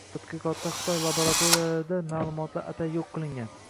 Tadqiqotda Xitoy laboratoriyalarida «ma’lumotlar atay yo‘q qilingan